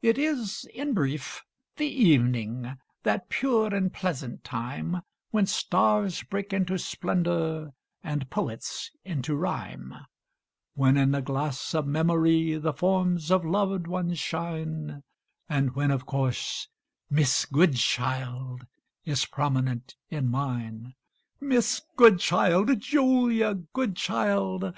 It is in brief the evening: that pure and pleasant time, When stars break into splendor, and poets into rhyme; When in the glass of Memory the forms of loved ones shine And when, of course, Miss Goodchild is prominent in mine. Miss Goodchild Julia Goodchild!